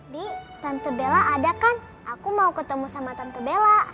di tante bella ada kan aku mau ketemu sama tante bella